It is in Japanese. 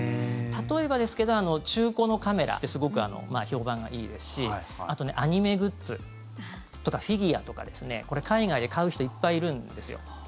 例えばですけど中古のカメラってすごく評判がいいですしあと、アニメグッズとかフィギュアとかこれ、海外で買う人いっぱいいるんですよ。